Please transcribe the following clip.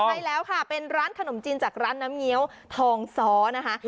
ใช่แล้วค่ะเป็นร้านขนมจีนจากร้านน้ำเงี้ยวทองซ้อนะคะ